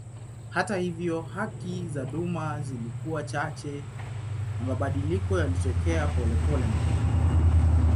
Hata hivyo haki za duma zilikuwa chache na mabadiliko yalitokea polepole mno.